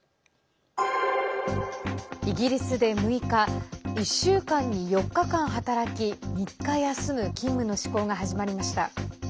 イギリスで６日１週間に４日間働き３日休む勤務の試行が始まりました。